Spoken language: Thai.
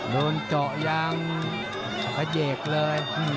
โดนเจาะยางขยกเลย